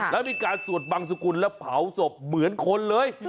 แล้วมีการสวดบังสุกุลและเผาศพเหมือนคนเลย